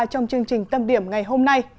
trong chương trình tâm điểm ngày hôm nay